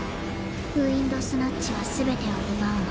ウインドスナッチは全てを奪うの。